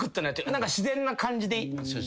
何か自然な感じで。